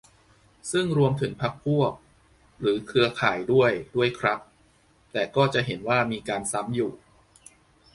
ซึ่งรวมถึง "พรรคพวก" หรือเครือข่ายด้วย ด้วยครับ แต่ก็จะเห็นว่ามีการ "ซ้ำ" อยู่